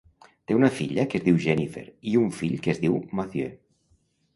Té una filla que es diu Jennifer i un fill que es diu Mathieu.